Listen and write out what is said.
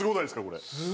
これ。